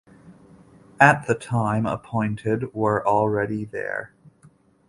At the time appointed were already there.